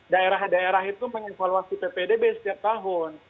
daerah daerah itu mengevaluasi ppdb setiap tahun